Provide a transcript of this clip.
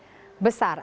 grab akan semakin besar